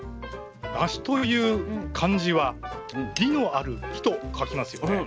梨という漢字は「利のある木」と書きますよね。